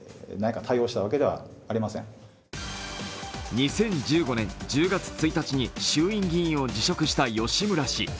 ２０１５年１０月１日に衆院議員を辞職した吉村氏。